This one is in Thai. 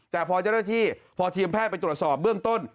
แต่พอเจ้าหน้าที่พอทีมแพทย์ไปตรวจสอบเบื้องต้น